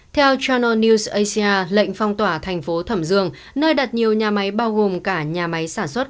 theo chanon news asia lệnh phong tỏa thành phố thẩm dương nơi đặt nhiều nhà máy bao gồm cả nhà máy sản xuất